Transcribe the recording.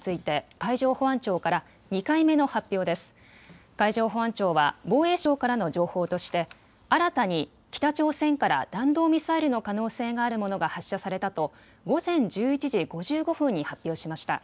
海上保安庁は防衛省からの情報として新たに北朝鮮から弾道ミサイルの可能性があるものが発射されたと午前１１時５５分に発表しました。